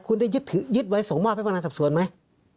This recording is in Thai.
คุณได้ยึดไว้๒มารแพะพลังดันสับสวยไหม